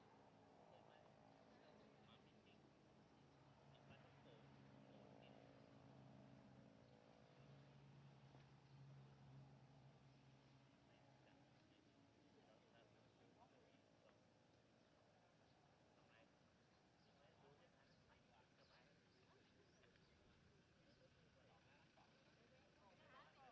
โปรดติดตามตอนต่อไป